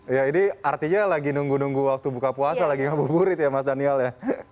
ya ini artinya lagi nunggu nunggu waktu buka puasa lagi ngabuburit ya mas daniel ya